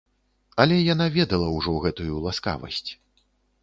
Але яна ведала ўжо гэтую ласкавасць.